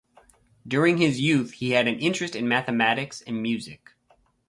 During his youth, he had an interest in mathematics and music.